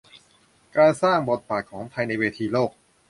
การสร้างบทบาทของไทยในเวทีโลก